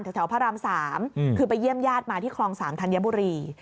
แถวพระราม๓คือไปเยี่ยมญาติมาที่คลอง๓ธัญบุรี